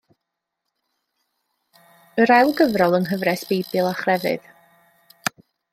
Yr ail gyfrol yng Nghyfres Beibl a Chrefydd.